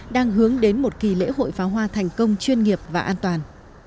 đang hướng đến một kỳ lễ hội pháo hoa thành công chuyên nghiệp và an toàn